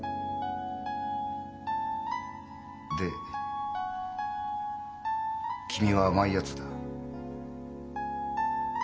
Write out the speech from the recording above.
で君は甘いやつだ。